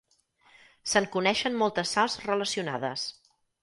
Se'n coneixen moltes sals relacionades.